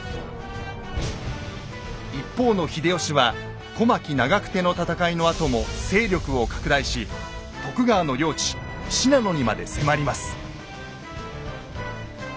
一方の秀吉は小牧・長久手の戦いのあとも勢力を拡大し徳川の領地信濃にまで迫ります。